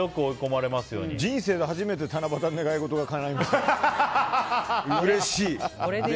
人生で初めて七夕の願い事がかないましたうれしい。